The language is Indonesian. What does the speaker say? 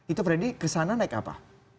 itu freddy ke sana naik apa